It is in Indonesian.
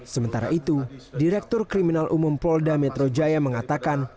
sementara itu direktur kriminal umum polda metro jaya mengatakan